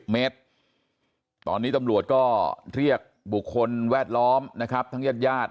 เมตรตอนนี้ตำรวจก็เรียกบุคคลแวดล้อมนะครับทั้งญาติญาติ